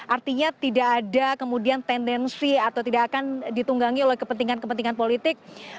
artinya tidak ada kemudian tendensi atau tidak akan ditunggangi oleh kepentingan kepentingan politik